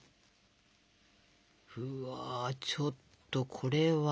うわちょっとこれは！